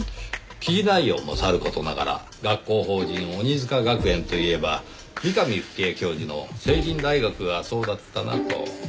記事内容もさる事ながら学校法人鬼束学園といえば三上冨貴江教授の成林大学がそうだったなと。